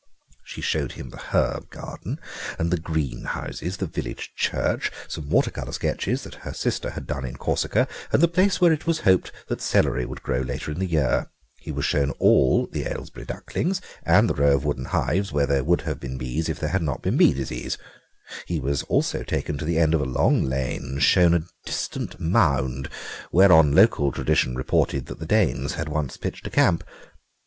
She showed him the herb garden and the greenhouses, the village church, some water colour sketches that her sister had done in Corsica, and the place where it was hoped that celery would grow later in the year. He was shown all the Aylesbury ducklings and the row of wooden hives where there would have been bees if there had not been bee disease. He was also taken to the end of a long lane and shown a distant mound whereon local tradition reported that the Danes had once pitched a camp.